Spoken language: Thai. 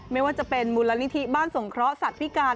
ไม่ว่าจะเป็นมูลนิธิบ้านสงเคราะห์สัตว์พิการ